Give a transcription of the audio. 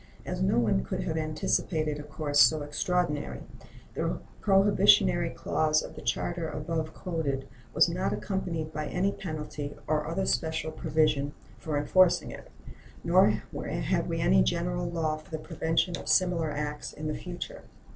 As no one could have anticipated a course so extraordinary, the prohibitory clause of the charter above quoted was not accompanied by any penalty or other special provision for enforcing it, nor have we any general law for the prevention of similar acts in future.